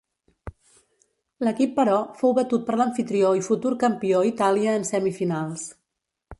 L'equip, però, fou batut per l'amfitrió i futur campió Itàlia en semifinals.